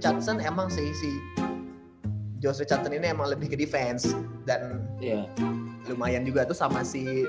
chansen emang seisi josli chansen ini emang lebih ke defense dan lumayan juga tuh sama si